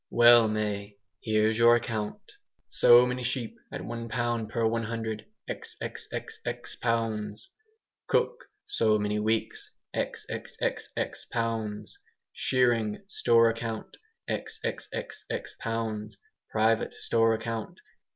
"Well, May, here's your account": So many sheep, at 1 pound per 100... xxxx pounds Cook, so many weeks................. xxxx pounds Shearing store account.............. xxxx pounds Private store account...............